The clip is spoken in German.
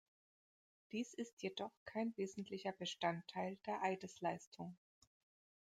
Dies ist jedoch kein wesentlicher Bestandteil der Eidesleistung.